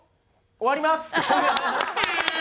終わります。